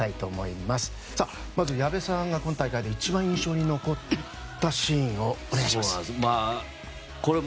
まず、矢部さんが今大会で一番印象に残ったシーンをお願いします。